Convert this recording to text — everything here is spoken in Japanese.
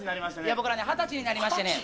僕らね、２０歳になりましてね。